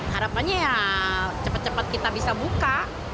harapannya ya cepat cepat kita bisa buka